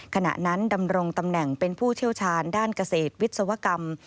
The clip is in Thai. ขณะนั้นดำรงตำแหน่งเป็นผู้เชี่ยวชาญด้านเกษตรวิศวกรรม